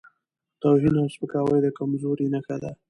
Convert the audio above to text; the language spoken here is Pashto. توهین او سپکاوی د کمزورۍ نښه ده.